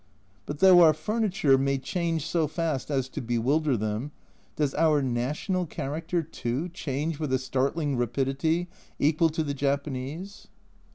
But though our furniture may change so fast as to bewilder them, does our national char acter too change with a startling rapidity equal to the Japanese